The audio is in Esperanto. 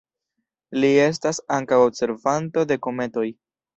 Li estas ankaŭ observanto de kometoj.